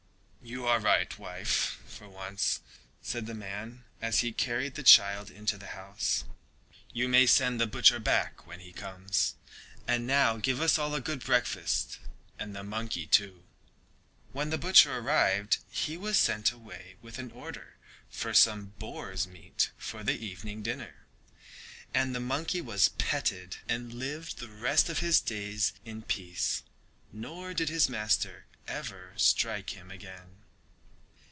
"You are right, wife, for once," said the man as he carried the child into the house. "You may send the butcher back when he comes, and now give us all a good breakfast and the monkey too." When the butcher arrived he was sent away with an order for some boar's meat for the evening dinner, and the monkey was petted and lived the rest of his days in peace, nor did his master ever strike him again.